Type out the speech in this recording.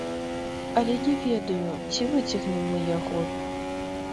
Але не ведаю, ці выцягнем мы яго.